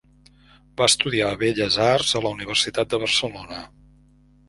Va estudiar Belles Arts a la Universitat de Barcelona.